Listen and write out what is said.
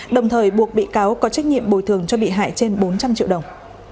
đồng thời buộc bị cáo có trách nhiệm bồi thường cho bị hại trên bốn trăm linh triệu đồng